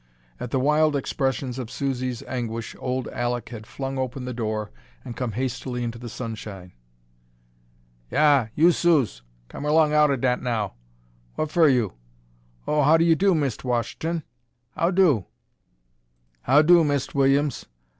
At the wild expressions of Susie's anguish old Alek had flung open the door and come hastily into the sunshine. "Yah, you Suse, come erlong outa dat now. What fer you Oh, how do, how do, Mist' Wash'ton how do?" "How do, Mist' Willums?